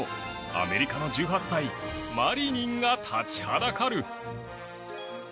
アメリカの１８歳マリニンが立ちはだかる